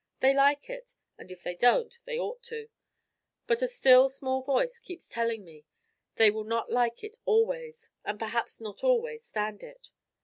They like it, and if they don't, they ought to. But a still small voice keeps telling me they will not like it always, and perhaps not always stand it.